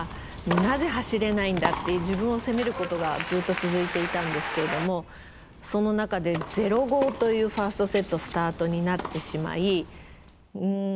なぜ走れないんだ！」って自分を責めることがずっと続いていたんですけれどもその中で０−５というファーストセットスタートになってしまいうん